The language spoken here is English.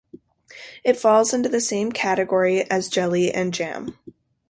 It falls into the same category as jelly and jam.